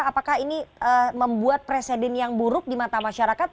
apakah ini membuat presiden yang buruk di mata masyarakat